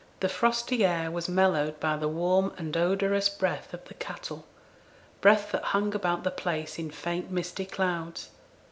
The frosty air was mellowed by the warm and odorous breath of the cattle breath that hung about the place in faint misty clouds.